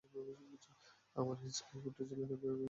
আমার হিচকী উঠেছিল তাই ভয় পেয়ে গিয়েছিলাম।